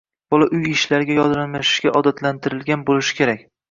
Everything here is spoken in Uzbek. bola uy ishlariga yordamlashishga odatlantirilgan bo‘lishi kerak.